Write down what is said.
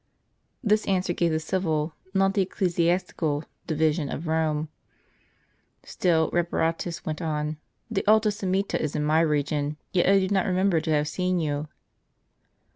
* This answer gave the civil, not the ecclesiastical, division of Rome; still Reparatus went on: "The Alta Semita is in my region, yet I do not remember to have seen you."